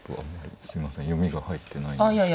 すみません読みが入ってないですけど。